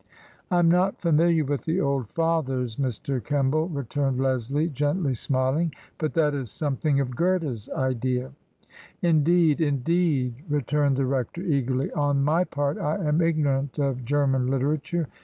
" I am not familiar with the old Fathers, Mr. Kemball," returned Leslie, gently smiling ;" but that is something of Goethe's idea." " Indeed ! Indeed !" returned the rector, eagerly. " On my part I am ignorant of German literature.